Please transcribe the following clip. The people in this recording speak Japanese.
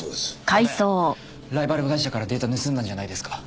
これライバル会社からデータ盗んだんじゃないですか？